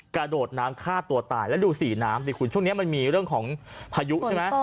กระโดดน้ำฆ่าตัวตายแล้วดูสีน้ำดิคุณช่วงนี้มันมีเรื่องของพายุใช่ไหม